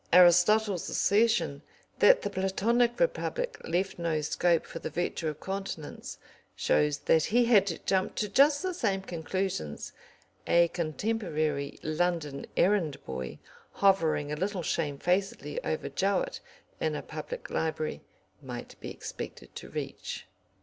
Aristotle's assertion that the Platonic republic left no scope for the virtue of continence shows that he had jumped to just the same conclusions a contemporary London errand boy, hovering a little shamefacedly over Jowett in a public library, might be expected to reach.